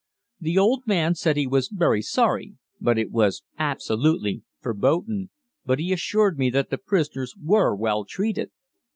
The old man said he was very sorry, but it was absolutely "verboten," but he assured me that the prisoners were well treated.